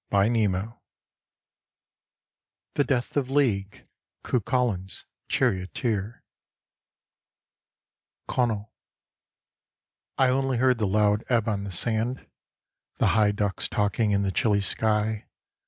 123 THE DEATH OF LEAG, CUCHULAIN'S CHARIOTEER CONALL " I ONLY heard the loud ebb on the sand, The high ducks talking in the chilly sky.